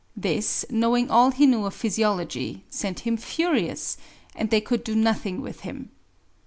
This, knowing all he knew of physiology, sent him furious, and they could do nothing with him.